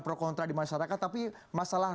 pro kontra di masyarakat tapi masalah